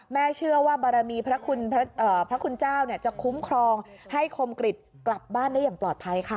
แม่เชื่อว่าบารมีพระคุณพระคุณเจ้าเนี้ยจะคุ้มครองให้โครมกฤษกลับบ้านได้อย่างปลอดภัยค่ะ